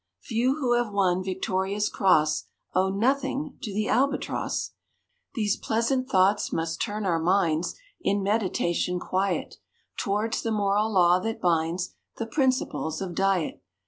Few who have won Victoria's cross Owe nothing to the Albatross.= These pleasant thoughts must turn our minds, `In meditation quiet, Towards the moral law that binds `The principles of diet.